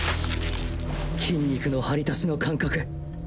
筋肉の張り足しの間隔。